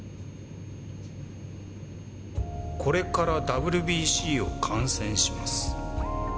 これからＷＢＣを観戦します。